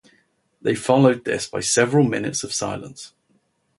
They followed this by several minutes of silence.